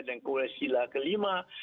dan kewisilaan kelima